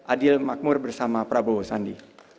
adil makmur bersama prabowo sandi